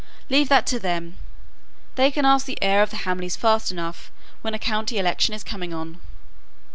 leave that to them. They can ask the heir of the Hamleys fast enough when a county election is coming on."